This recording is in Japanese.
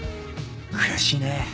悔しいね。